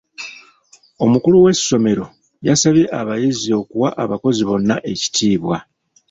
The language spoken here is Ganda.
Omukulu w'essomero yasabye abayizi okuwa abakozi bonna ekitiibwa.